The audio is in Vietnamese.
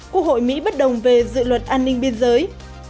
quốc hội mỹ bất đồng về dự luật an ninh biên giới